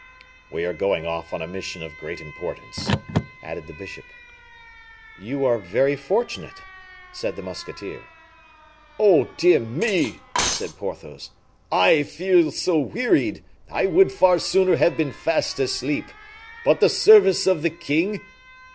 "We are going off on a mission of great importance," added the bishop. "You are very fortunate," said the musketeer. "Oh, dear me!" said Porthos, "I feel so wearied; I would far sooner have been fast asleep. But the service of the king...."